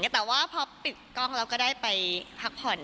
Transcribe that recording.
แต่ว่าพอปิดกล้องแล้วก็ได้ไปพักผ่อน